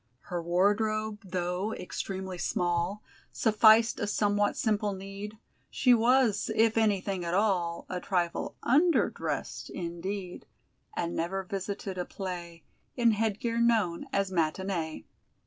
Her wardrobe, though extremely small, Sufficed a somewhat simple need; She was, if anything at all, A trifle _under_dressed, indeed, And never visited a play In headgear known as "matinée."